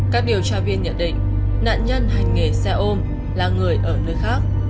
các điều tra viên nhận định nạn nhân hành nghề xe ôm là người ở nơi khác